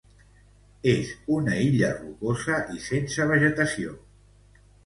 És una illa rocosa i sense vegetació.